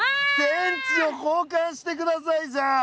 「電池を交換してください」じゃん。